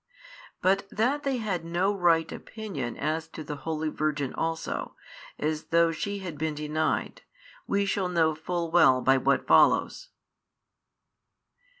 But that they had no right opinion as to the holy Virgin also, as though she had been denied, we shall know full well by what follows.